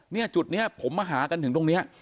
เนี่ยจุดนี้ผมมาหากันถึงตรงนี้